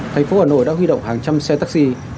thành phố hà nội đã huy động hàng trăm xe taxi